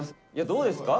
どうですか？